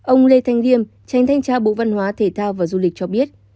ông lê thanh điêm tranh thanh tra bộ văn hóa thể thao và du lịch cho biết